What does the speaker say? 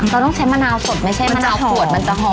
เราต้องใช้มะนาวสดไม่ใช่มะนาวขวดมันจะหอม